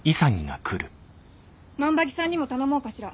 万場木さんにも頼もうかしら。